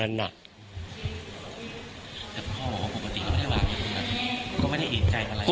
แต่พ่อบอกว่าปกติก็ไม่ได้วางอย่างนั้น